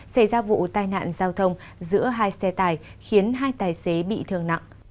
xảy ra vụ tai nạn giao thông giữa hai xe tải khiến hai tài xế bị thương nặng